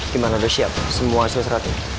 gimana udah siap semua hasil seratnya